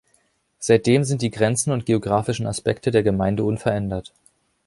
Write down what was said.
Seitdem sind die Grenzen und geografischen Aspekte der Gemeinde unverändert.